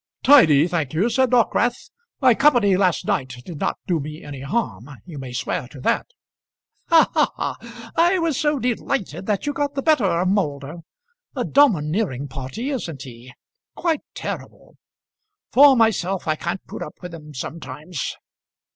"Tidy, thank you," said Dockwrath. "My company last night did not do me any harm; you may swear to that." "Ha! ha! ha! I was so delighted that you got the better of Moulder; a domineering party, isn't he? quite terrible! For myself, I can't put up with him sometimes."